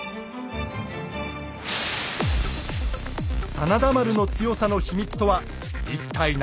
真田丸の強さの秘密とは一体何だったのか。